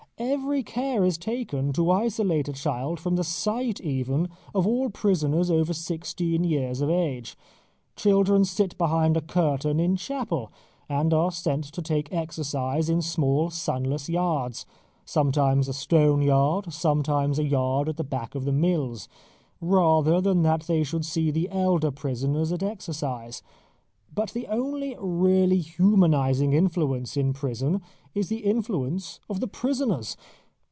Every care is taken to isolate a child from the sight even of all prisoners over sixteen years of age. Children sit behind a curtain in chapel, and are sent to take exercise in small sunless yards sometimes a stone yard, sometimes a yard at the back of the mills rather than that they should see the elder prisoners at exercise. But the only really humanising influence in prison is the influence of the prisoners.